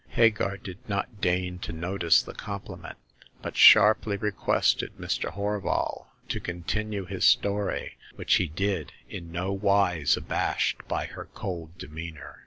Hagar did not deign to notice the compliment, but sharply requested Mr. Horval to continue his story, which he did, in no wise abashed by her cold demeanor.